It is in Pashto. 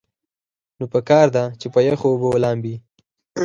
نو پکار ده چې پۀ يخو اوبو لامبي -